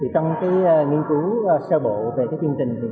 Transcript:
trong cái nghiên cứu sơ bộ về cái chương trình